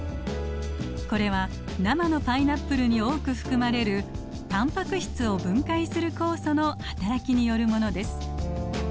これは生のパイナップルに多く含まれるタンパク質を分解する酵素のはたらきによるものです。